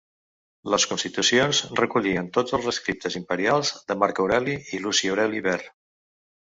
Les Constitucions recollien tots els rescriptes imperials de Marc Aureli i Luci Aureli Ver.